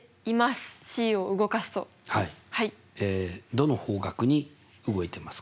どの方角に動いてますか？